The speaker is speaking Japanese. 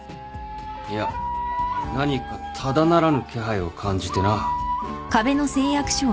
いや何かただならぬ気配を感じてな。